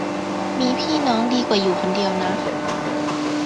มีพี่น้องดีกว่าอยู่คนเดียวนะ